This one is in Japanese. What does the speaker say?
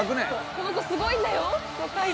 この子すごいんだよ若いのに。